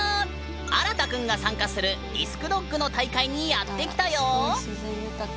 新くんが参加するディスクドッグの大会にやってきたよ！